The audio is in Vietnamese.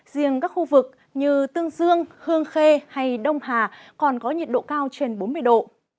riêng các khu vực như tương dương hương khê hay đông hà còn có nhiệt độ cao trên bốn mươi độ